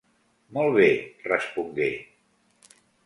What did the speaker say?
Molt bé", respongué.